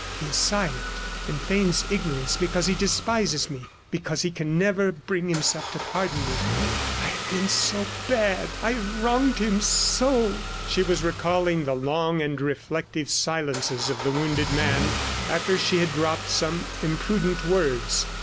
... He is silent and feigns ignorance because he despises me ... because he can never bring himself to pardon me. I have been so bad! ... I have wronged him so!". .. She was recalling the long and reflective silences of the wounded man after she had dropped some imprudent words.